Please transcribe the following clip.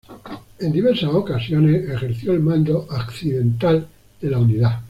En diversas ocasiones ejerció el mando accidental de la unidad.